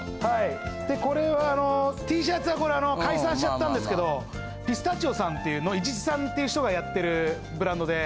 でこれはＴシャツはこれ解散しちゃったんですけどピスタチオさんっていう伊地知さんっていう人がやってるブランドで。